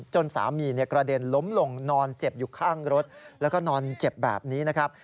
จนสามีกระเด็นล้มลงนอนเจ็บอยู่ข้างรถแล้วก็นอนเจ็บแบบนี้นะครับ